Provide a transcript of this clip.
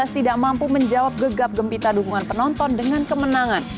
tidak mampu menjawab gegap gempita dukungan penonton dengan kemenangan